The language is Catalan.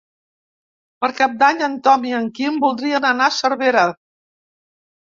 Per Cap d'Any en Tom i en Quim voldrien anar a Cervera.